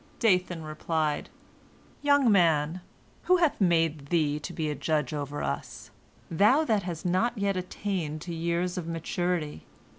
Dathan replied: "Young man, who hath made thee to be a judge over us, thou that hast not yet attained to years of maturity?